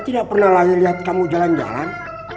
tidak pernah lagi lihat kamu jalan jalan